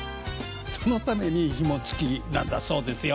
そのためにひもつきなんだそうですよ。